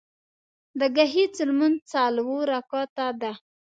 د ګهیځ لمونځ څلور رکعته ده